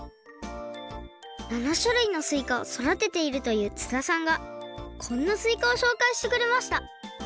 ７しゅるいのすいかをそだてているという津田さんがこんなすいかをしょうかいしてくれました